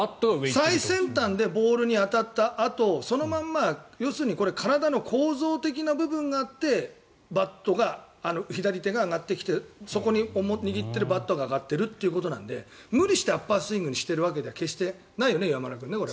最先端のバットが当たったあとそのまま、要するに体の構造的な部分があって左手が上がってきて握ってるバットが上がっているだけなので無理してアッパースイングにしているわけでは決してないよね、岩村君。